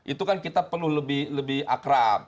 itu kan kita perlu lebih akrab